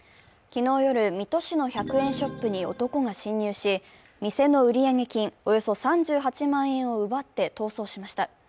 昨日夜、水戸市の１００円ショップに男が侵入し、店の売上金およそ３８万円を奪って逃走しました。